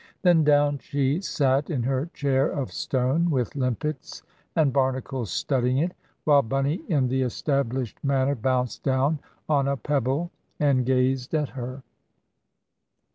Then down she sate in her chair of stone, with limpets and barnacles studding it; while Bunny in the established manner bounced down on a pebble and gazed at her.